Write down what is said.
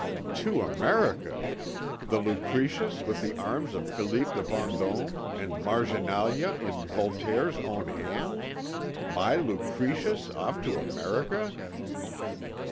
"To America! The Lucretius with the arms of Philippe de Vendôme and marginalia in Voltaire's own hand! My Lucretius off to America!"